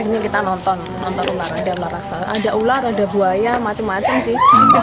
ini kita nonton nonton ular ada larasan ada ular ada buaya macem macem sih